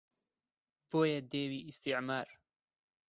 بۆیە دێوی ئیستیعمار